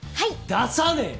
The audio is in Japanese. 出さねえよ！